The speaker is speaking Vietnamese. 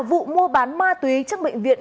vụ mua bán ma túy trong bệnh viện